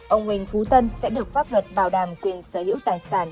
ông huỳnh phú tân sẽ được pháp luật bảo đảm quyền sở hữu tài sản